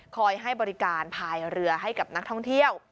ให้บริการภายเรือให้กับนักท่องเที่ยว